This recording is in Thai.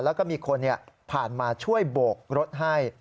แล้วก็มีคนผ่านมาช่วยโบกรถให้